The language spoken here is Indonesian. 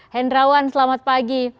hendrawan selamat pagi